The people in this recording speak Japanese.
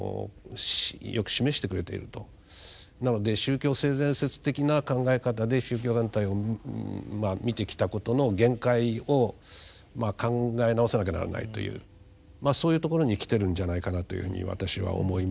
なので宗教性善説的な考え方で宗教団体を見てきたことの限界をまあ考え直さなきゃならないというそういうところにきてるんじゃないかなというふうに私は思います。